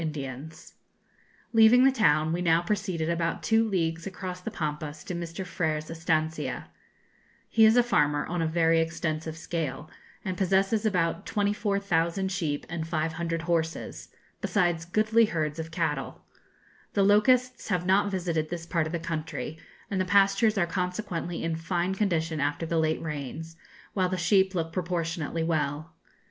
[Illustration: Indians at Azul] Leaving the town, we now proceeded about two leagues across the Pampas to Mr. Frer's estancia. He is a farmer, on a very extensive scale, and possesses about 24,000 sheep and 500 horses, besides goodly herds of cattle. The locusts have not visited this part of the country, and the pastures are consequently in fine condition after the late rains, while the sheep look proportionately well.